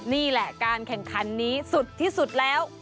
นี่แหละการแข่งขันนี้สุดที่สุดแล้ว